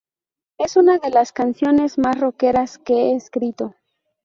Es una de las canciones más rockeras que he escrito".